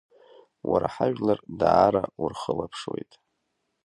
Уара ҳажәлар даара урхылаԥшуеит.